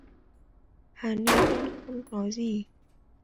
Hà ny vẫn không nói gì